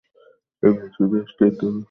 এখানে শুধু স্টারদের মেক আপ রুম।